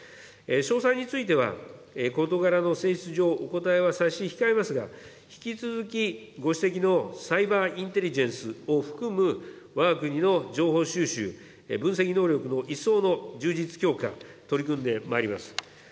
詳細については、事柄の性質上、お答えは差し控えますが、引き続きご指摘のサイバーインテリジェンスを含むわが国の情報収集、分析能力の一層の充実強化、取り組んでまいります。